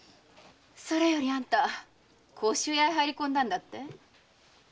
それよりあんた甲州屋へ入り込んだんだって？